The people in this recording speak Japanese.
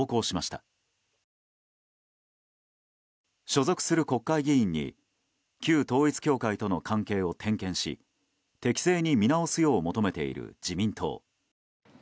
所属する国会議員に旧統一教会との関係を点検し適正に見直すよう求めている自民党。